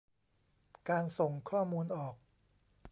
การส่งข้อมูลออก